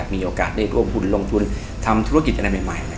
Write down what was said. มีโอกาสได้ร่วมทุนลงทุนทำธุรกิจอะไรใหม่